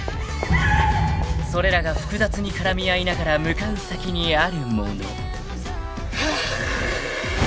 ［それらが複雑に絡み合いながら向かう先にあるもの］あ！